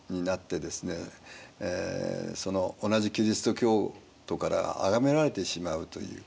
その同じキリスト教徒からあがめられてしまうという。